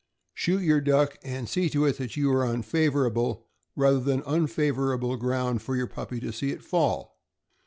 Shoot your duck, and see to it that you are on favorable rather than unfavorable ground for your puppy to see it fall.